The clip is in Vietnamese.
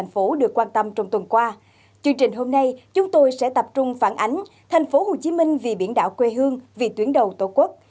chương trình hôm nay chúng tôi sẽ tập trung phản ánh thành phố hồ chí minh vì biển đảo quê hương vì tuyến đầu tổ quốc